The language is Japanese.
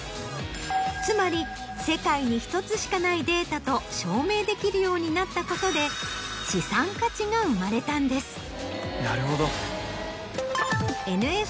つまり世界に１つしかないデータと証明できるようになったことで資産価値が生まれたんです。